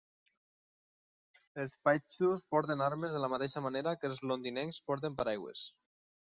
Els paixtus porten armes de la mateixa manera que els londinencs porten paraigües.